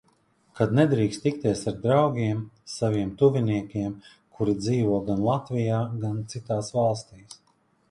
Kad nedrīkst tikties ar draugiem, saviem tuviniekiem, kuri dzīvo gan Latvijā, gan citās valstīs.